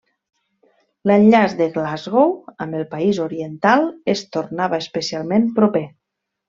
L'enllaç de Glasgow amb el país oriental es tornava especialment proper.